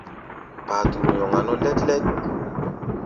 Paturu nyɔŋa nɔ́ lɛ́t-lɛ́t.